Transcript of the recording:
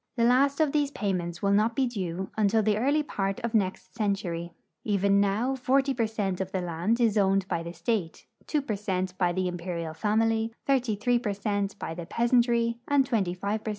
The last of these payments Avill not be due until the early part of the next century. Even noAv 40 per cent of the land is OAvned^hy the state, 2 per cent by the imperial family, 33 per cent by the peasantry, and 25 per cent by private owners.